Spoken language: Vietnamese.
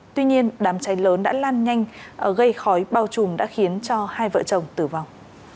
tuy nhiên đám cháy lớn đã lan nhanh gây khói bao trùm đã khiến cho hai vợ chồng tử vong